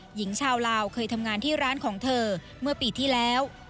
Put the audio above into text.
หญิงชาวลาวเคยทำงานที่ร้านของเธอเมื่อปีที่แล้ว